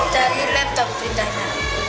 dari laptop ternyata